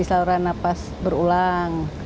biasanya infeksi selera nafas berulang